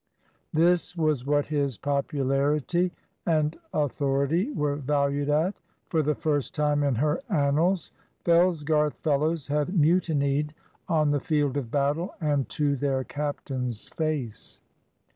This was what his popularity and authority were valued at! For the first time in her annals, Fellsgarth fellows had mutinied on the field of battle and to their captain's face.